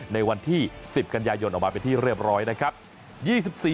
ในวันที่๑๐กันยายนออกมาเป็นที่เรียบร้อยนะครับ